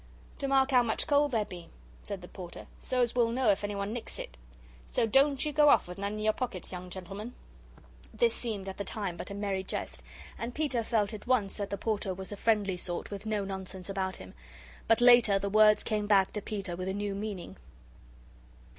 "To mark how much coal there be," said the Porter, "so as we'll know if anyone nicks it. So don't you go off with none in your pockets, young gentleman!" This seemed, at the time but a merry jest, and Peter felt at once that the Porter was a friendly sort with no nonsense about him. But later the words came back to Peter with a new meaning.